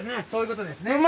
そういうことですね。